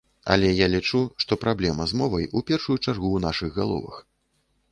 Але я лічу, што праблема з мовай у першую чаргу ў нашых галовах.